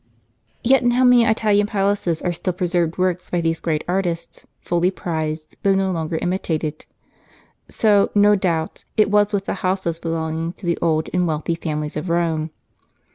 Yet in how many Italian palaces are still pre served works by these great artists, fully prized, though no longer imitated? So, no doubt, it was with the houses belonging to the old and wealthy families of Rome.